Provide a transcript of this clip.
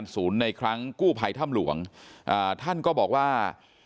ในครั้งกู้ภัยถ้ำหลวงอ่าท่านก็บอกว่า